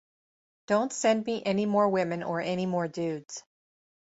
Don't send me any more women or any more dudes.